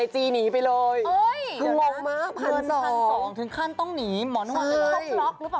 ทำไงคะ